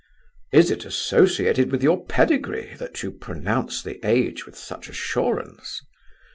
"Is it associated with your pedigree that you pronounce the age with such assurance?"